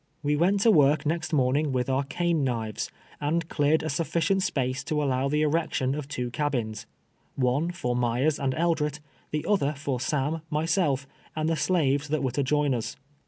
We went to work next morn ing Avith our cane knives, and cleared a suflicient space to allow the erection of two cabins — one for Myers and EldiHit, the other for Sam, myself, and the slaves that M'ere to join us.